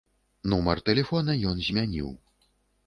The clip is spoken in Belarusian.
Нумар тэлефона ён змяніў.